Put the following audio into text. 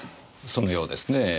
そのようですねぇ。